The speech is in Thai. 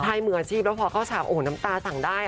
ใช่มืออาชีพแล้วพอเข้าฉาบโอ้โหน้ำตาสั่งได้